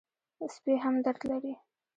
سپي هم درد لري.